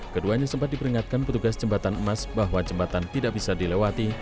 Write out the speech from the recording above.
keduanya sempat diperingatkan petugas jembatan emas bahwa jembatan tidak bisa dilewati